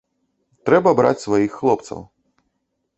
Трэба браць сваіх хлопцаў.